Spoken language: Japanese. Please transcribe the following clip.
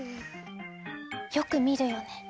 よく見るよね。